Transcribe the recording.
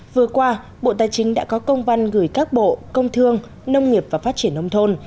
vừa qua bộ tài chính đã có công văn gửi các bộ công thương nông nghiệp và phát triển nông thôn